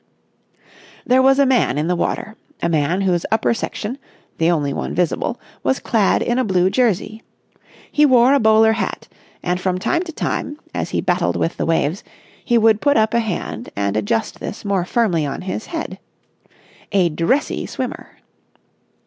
There was a man in the water, a man whose upper section, the only one visible, was clad in a blue jersey. He wore a bowler hat, and from time to time, as he battled with the waves, he would put up a hand and adjust this more firmly on his head. A dressy swimmer.